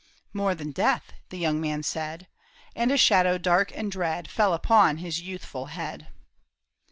" More than death," the young man said ; And a shadow dark and dread Fell upon his youthful head.